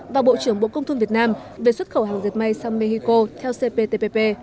và bộ trưởng bộ công thương việt nam về xuất khẩu hàng dệt may sang mexico theo cptpp